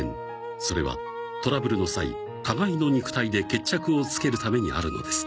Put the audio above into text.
それはトラブルの際互いの肉体で決着をつけるためにあるのです。